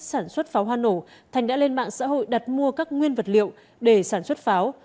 sản xuất pháo hoa nổ thành đã lên mạng xã hội đặt mua các nguyên vật liệu để sản xuất pháo